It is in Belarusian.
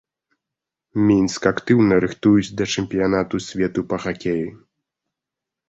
Мінск актыўна рыхтуюць да чэмпіянату свету па хакеі.